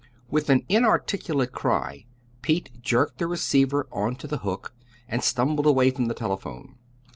With an inarticulate cry Pete jerked the receiver on to the hook, and stumbled away from the telephone.